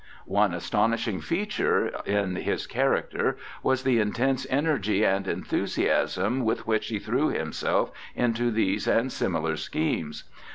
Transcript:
One astonishing feature in his character was the intense energy and enthusiasm with which he threw himself into these and similar schemes.